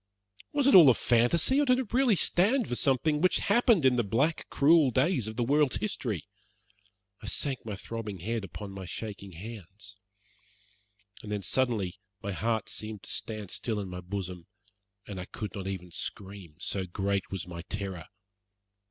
Was it all a fantasy, or did it really stand for something which had happened in the black, cruel days of the world's history? I sank my throbbing head upon my shaking hands. And then, suddenly, my heart seemed to stand still in my bosom, and I could not even scream, so great was my terror.